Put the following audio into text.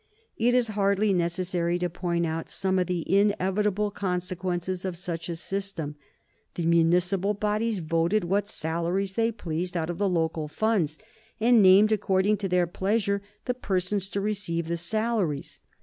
It is hardly necessary to point out some of the inevitable consequences of such a system. The municipal bodies voted what salaries they pleased out of the local funds, and named according to their pleasure the persons to receive the salaries.